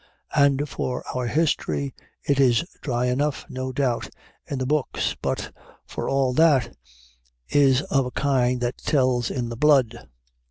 And for our history, it is dry enough, no doubt, in the books, but, for all that, is of a kind that tells in the blood.